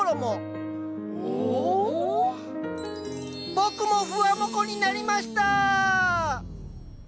僕もふわもこになりました！